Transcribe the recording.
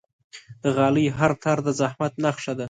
د غالۍ هر تار د زحمت نخښه ده.